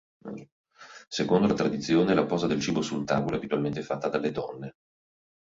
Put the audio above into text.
Secondo la tradizione, la posa del cibo sul tavolo è abitualmente fatta dalle donne.